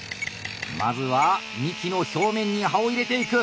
まずは幹の表面に刃を入れていく！